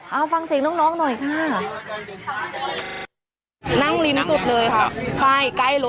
เอาฟังเสียงน้องหน่อยค่ะ